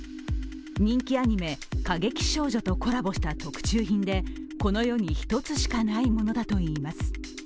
人気アニメ「かげきしょうじょ！！」とコラボした特注品で、この世に１つしかないものだといいます。